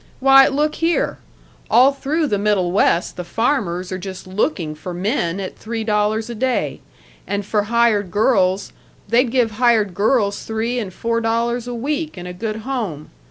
Why, look here! all through the Middle West the farmers are just looking for men at three dollars a day, and for hired girls, they'd give hired girls three and four dollars a week and a good home.